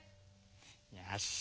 よし。